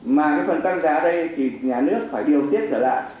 mà cái phần tăng giá ở đây thì nhà nước phải điều tiết trở lại